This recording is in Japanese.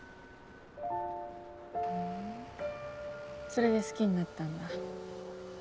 それで好きになったんだ。